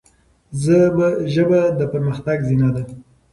ژبه د پرمختګ زینه ده.